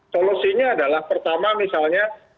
solusinya adalah pertama misalnya